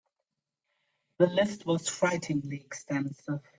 The list was frighteningly extensive.